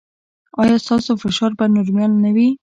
ایا ستاسو فشار به نورمال نه وي؟